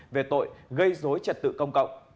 về tội gây dối trật tự công cộng